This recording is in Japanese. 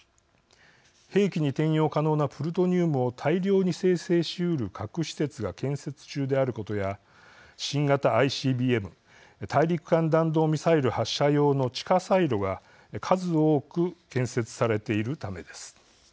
兵器に転用可能なプルトニウムを大量に生成しうる核施設が建設中であることや新型ＩＣＢＭ＝大陸間弾道ミサイル発射用の地下サイロが数多く建設されているためです。